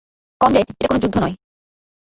Conrad, এটা কোনো যুদ্ধ নয়!